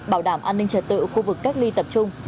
bảo đảm an ninh trật tự khu vực cách ly tập trung